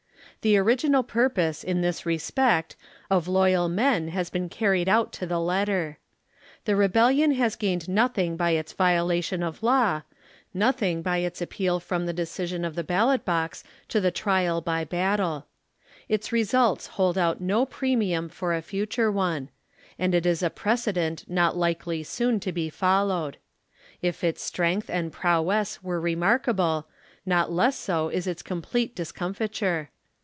The original purpose, in this respect, of loyal men has been carried out to the let ter. The rebellion has gained nothing by its violation of law, nothing by its appeal from the decision of the ballot box to the trial by battle. Its results hold out no premium for a future one ; and it is a precedent not likely soon to be followed. If its strength and prowess were remarkable, not less so is its complete discomfiture.